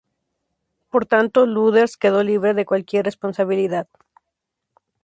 Por tanto, Lüders quedó libre de cualquier responsabilidad.